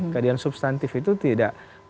keadilan substantif itu tidak melihat posisi yang berbeda